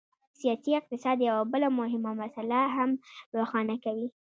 سیاسي اقتصاد یوه بله مهمه مسله هم روښانه کوي.